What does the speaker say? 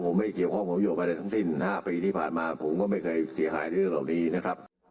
ผมไม่เกี่ยวข้องผลประโยชน์อะไรทั้งสิ้น๕ปีที่ผ่านมาผมก็ไม่เคยเสียหายเรื่องเหล่านี้นะครับ